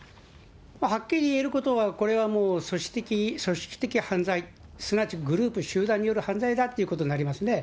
はっきり言えることは、これはもう組織的犯罪、すなわちグループ、集団による犯罪だということになりますね。